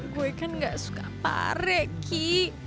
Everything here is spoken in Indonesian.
gue kan gak suka pare ki